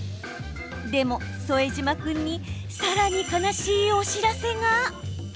でも、副島君にさらに悲しいお知らせが。